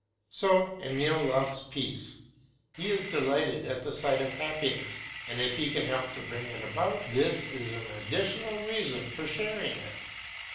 So Emile loves peace. He is delighted at the sight of happiness, and if he can help to bring it about, this is an additional reason for sharing it.